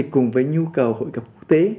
cùng với nhu cầu hội gặp quốc tế